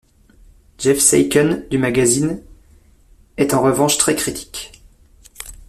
Jeff Seiken, du magazine ', est en revanche très critique.